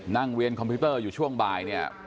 นั่งเวียนคอมพิวเตอร์อยู่ช่วงบ่าย